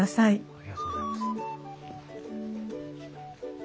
ありがとうございます。